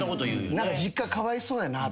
実家かわいそうやなと。